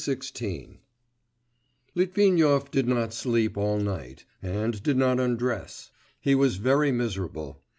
XVI Litvinov did not sleep all night, and did not undress. He was very miserable.